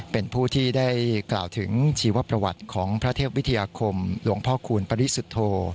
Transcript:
เป็นผู้ที่ได้กล่าวถึงชีวประวัติของพระเทพวิทยาคมหลวงพ่อคูณปริสุทธโธ